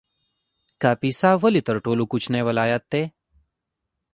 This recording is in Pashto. کاپیسا ولې تر ټولو کوچنی ولایت دی؟